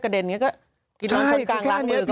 กินร้อนช้อนกางล้างเมื่อก็ไม่รอ